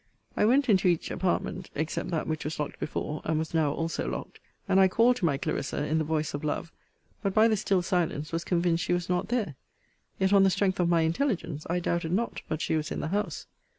I went into each apartment, except that which was locked before, and was now also locked: and I called to my Clarissa in the voice of love; but, by the still silence, was convinced she was not there. Yet, on the strength of my intelligence, I doubted not but she was in the house.